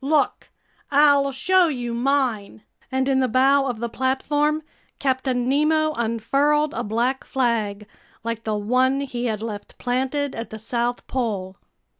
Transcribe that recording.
Look! I'll show you mine!" And in the bow of the platform, Captain Nemo unfurled a black flag, like the one he had left planted at the South Pole.